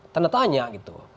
ternyata tanya gitu